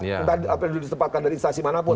entah apel disempatkan dari instansi manapun